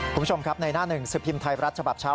คุณผู้ชมครับในหน้าหนึ่งสิบพิมพ์ไทยรัฐฉบับเช้า